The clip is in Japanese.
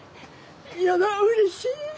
やだうれしい！